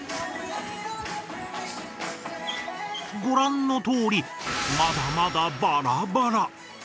ごらんのとおりまだまだバラバラ。